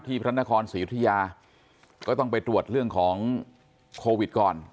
พระนครศรีอุทยาก็ต้องไปตรวจเรื่องของโควิดก่อน